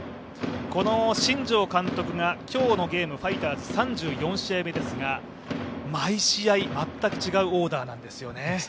この新庄監督が今日のゲームファイターズ３４試合目ですが毎試合、全く違うオーダーなんですよね。